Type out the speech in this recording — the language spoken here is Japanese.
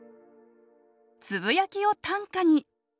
「つぶやきを短歌に」